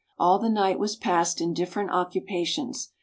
All the night was passed in different occupations.